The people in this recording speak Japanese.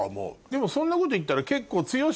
でもそんなこと言ったら。